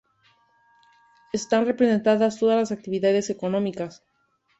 Están representadas todas las actividades económicas.